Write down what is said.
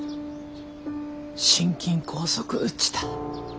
心筋梗塞っちた。